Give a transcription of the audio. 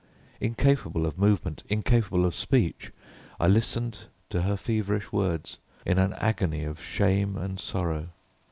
Incapable of movement, incapable of speech, I listened to her feverish words in an agony of shame and sorrow.